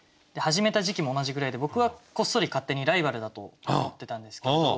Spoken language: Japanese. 始めた時期も同じぐらいで僕はこっそり勝手にライバルだと思ってたんですけど。